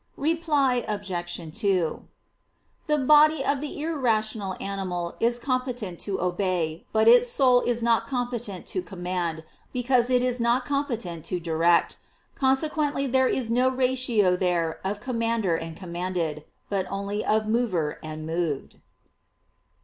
Reply Obj. 2: The body of the irrational animal is competent to obey; but its soul is not competent to command, because it is not competent to direct. Consequently there is no ratio there of commander and commanded; but only of mover and moved.